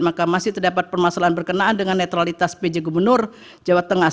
maka masih terdapat permasalahan berkenaan dengan netralitas pj gubernur jawa tengah